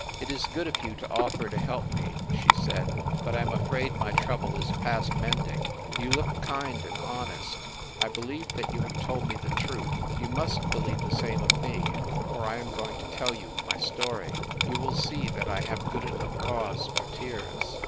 "It is good of you to offer to help me," she said, "but I am afraid my trouble is past mending. You look kind and honest. I believe that you have told me the truth. You must believe the same of me, for I am going to tell you my story. You will see that I have good enough cause for tears."